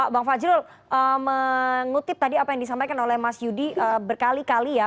bang fajrul mengutip tadi apa yang disampaikan oleh mas yudi berkali kali ya